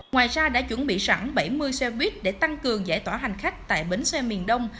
ngoài ra đã chuẩn bị sẵn bảy mươi xe buýt để tăng cường giải tỏa hành khách tại bến xe miền đông